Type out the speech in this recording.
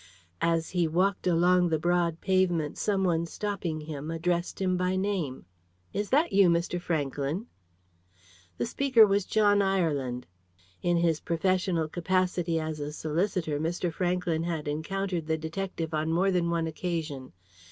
As he walked along the broad pavement some one stopping him, addressed him by name. "Is that you, Mr. Franklyn?" The speaker was John Ireland. In his professional capacity as a solicitor Mr. Franklyn had encountered the detective on more than one occasion.